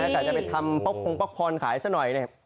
แต่จะไปทำป๊อกพงป๊อกพรขายซะหน่อยเนี่ย